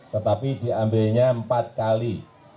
tetapi diambilnya empat kali